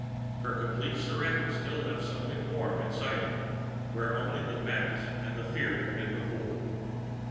Her complete surrender still left something warm inside him, where only the madness and the fear had been before.